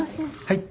はい。